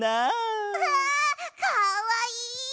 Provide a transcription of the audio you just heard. うわかわいい！